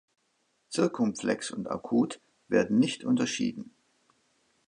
Zirkumflex und Akut werden nicht unterschieden.